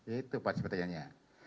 itu pasti pertanyaannya